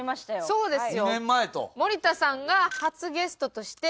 そうですよ！